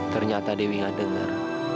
ternyata dewi gak denger